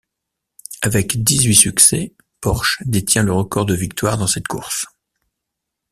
Avec dix-huit succès, Porsche détient le record de victoires dans cette course.